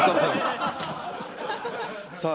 さあ